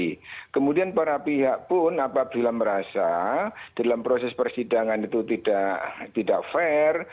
jadi kemudian para pihak pun apabila merasa dalam proses persidangan itu tidak fair